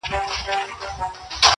• اوس ولي نه وايي چي ښار نه پرېږدو.